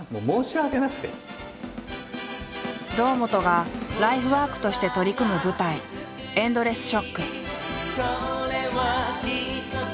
堂本がライフワークとして取り組む舞台「ＥｎｄｌｅｓｓＳＨＯＣＫ」。